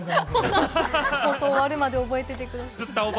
放送終わるまで覚えててください。